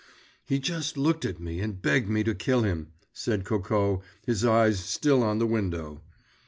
"He just looked at me and begged me to kill him," said Coco, his eyes still on the window.